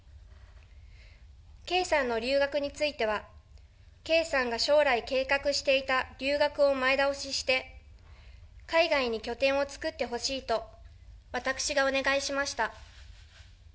圭さんの留学については、圭さんが将来計画していた留学を前倒しして、海外に拠点を作ってほしいと、私がお願いしました。